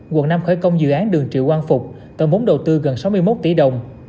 quận năm khởi công dự án đường triệu quang phục tổng vốn đầu tư gần sáu mươi một tỷ đồng